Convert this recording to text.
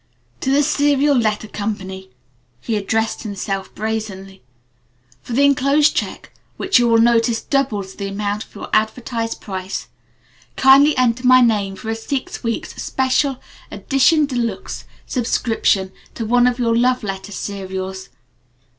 "TO THE SERIAL LETTER CO." he addressed himself brazenly. "For the enclosed check which you will notice doubles the amount of your advertised price kindly enter my name for a six weeks' special 'edition de luxe' subscription to one of your love letter serials.